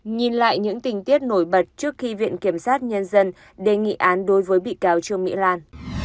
nhìn lại những tình tiết nổi bật trước khi viện kiểm sát nhân dân đề nghị án đối với bị cáo trương mỹ lan